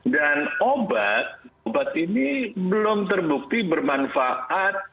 dan obat obat ini belum terbukti bermanfaat